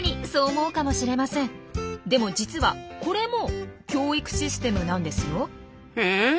でも実はこれも教育システムなんですよ。え？